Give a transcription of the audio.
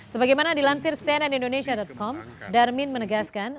sebagaimana dilansir cnnindonesia com darmin menegaskan